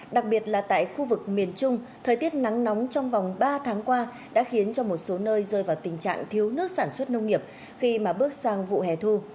đặc biệt là tại khu vực miền trung thời tiết nắng nóng trong vòng ba tháng qua đã khiến cho một số nơi rơi vào tình trạng thiếu nước sản xuất nông nghiệp khi mà bước sang vụ hè thu